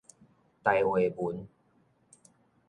台話文